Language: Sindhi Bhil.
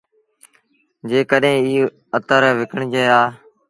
جيڪڏهينٚ ايٚ اتر وڪڻجي هآ